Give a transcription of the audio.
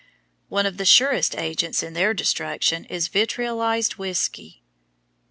One of the surest agents in their destruction is vitriolized whisky.